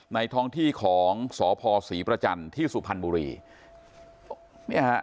ท้องที่ของสพศรีประจันทร์ที่สุพรรณบุรีเนี่ยฮะ